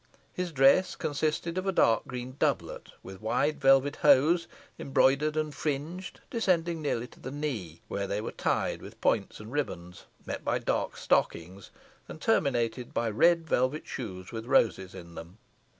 His dress consisted of a dark green doublet, with wide velvet hose, embroidered and fringed, descending nearly to the knee, where they were tied with points and ribands, met by dark stockings, and terminated by red velvet shoes with roses in them.